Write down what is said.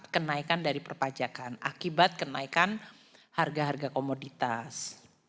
dua ratus tujuh puluh empat kenaikan dari perpajakan akibat kenaikan harga harga komoditas